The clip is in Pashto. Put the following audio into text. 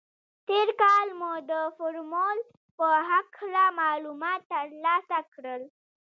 تېر کال مو د فورمول په هکله معلومات تر لاسه کړل.